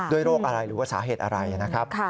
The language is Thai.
โรคอะไรหรือว่าสาเหตุอะไรนะครับ